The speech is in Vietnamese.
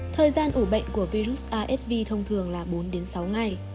thời gian ủ bệnh của virus asv thông thường là bốn đến sáu ngày